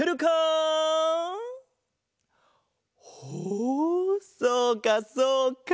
ほうそうかそうか。